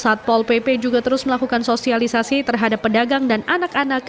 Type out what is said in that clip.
pada saat permen asal cina satpol pp juga terus melakukan sosialisasi terhadap pedagang dan anak anak